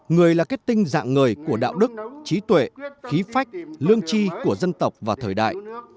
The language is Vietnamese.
người là kết tinh dạng người của đạo đức trí tuệ khí phách lương chi của dân tộc và thời đại